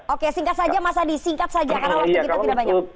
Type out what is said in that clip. oke singkat saja mas adi singkat saja karena waktu kita tidak banyak